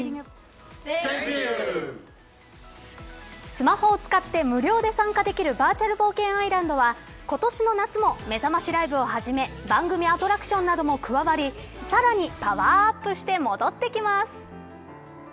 スマホを使って無料で参加できるバーチャル冒険アイランドは今年の夏もめざましライブをはじめ番組アトラクションなども加わりさらにパワーアップして戻ってきます。